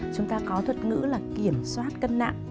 chúng ta có thuật ngữ là kiểm soát cân nặng